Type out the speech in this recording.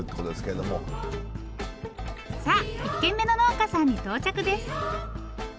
さあ１軒目の農家さんに到着です。